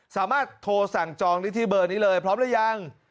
สามารถโทรสั่งจองได้ที่เบอร์นี้เลยพร้อมหรือยัง